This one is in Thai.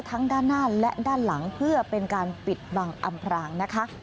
ด้านหน้าและด้านหลังเพื่อเป็นการปิดบังอำพรางนะคะ